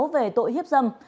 về tội hiếp dâm